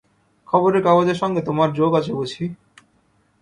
খবরের কাগজের সঙ্গে তোমার যোগ আছে বুঝি?